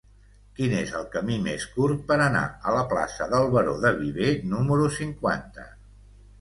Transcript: Quin és el camí més curt per anar a la plaça del Baró de Viver número cinquanta?